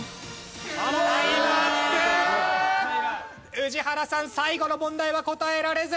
宇治原さん最後の問題は答えられず！